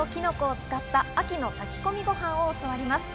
栗とキノコを使った秋の炊き込みご飯を教わります。